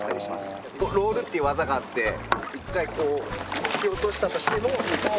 ロールっていう技があって一回こう突き落としたとしても。